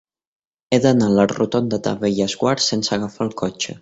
He d'anar a la rotonda de Bellesguard sense agafar el cotxe.